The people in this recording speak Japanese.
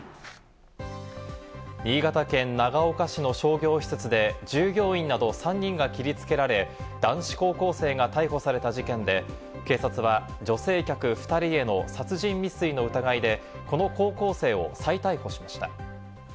新潟県長岡市の商業施設で従業員など３人が切り付けられ、男子高校生が逮捕された事件で、警察は女性客２人への殺人未遂の疑いで、この高校生を再逮捕しました。